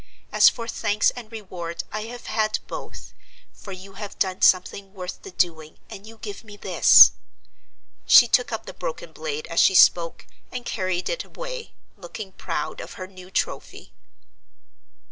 As for thanks and reward I have had both; for you have done something worth the doing, and you give me this." She took up the broken blade as she spoke, and carried it away, looking proud of her new trophy.